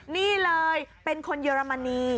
นี่เลยเป็นคนเยอรมนี